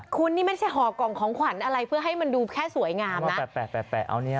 คุณนี่ไม่ใช่ห่อกล่องของขวัญอะไรเพื่อให้มันดูแค่สวยงามนะ